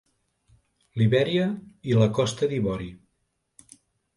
Libèria i la Costa d'Ivori.